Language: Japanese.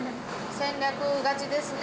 戦略がちですね。